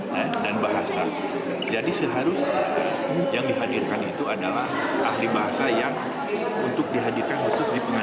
menurut kami tidak kompeten